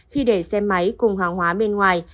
khi để xe máy cùng hàng hóa bên ngoài